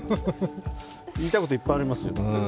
言いたいこといっぱいありますよ。